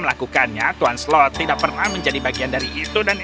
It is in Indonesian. lalu dia curi kacamata jag illustration